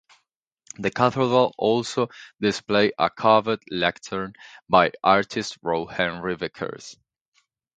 The cathedral also displays a carved lectern by artist Roy Henry Vickers.